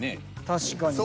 確かに。